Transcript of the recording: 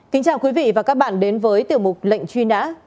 kính chào quý vị và các bạn đến với tiểu mục lệnh truy nã